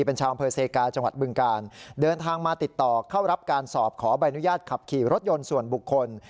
เป็นชาวอำเภอเซกาจังหวัดบึงการเดินทางมาติดต่อเข้ารับการสอบขอใบอนุญาตขับขี่รถยนต์ส่วนบุคคล